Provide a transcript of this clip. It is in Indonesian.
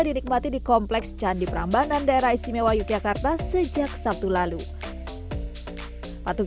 dinikmati di kompleks candi prambanan daerah istimewa yogyakarta sejak sabtu lalu patung